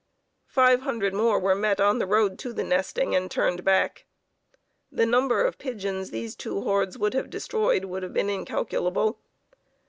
Five hundred more were met on the road to the nesting and turned back. The number of pigeons these two hordes would have destroyed would have been incalculable.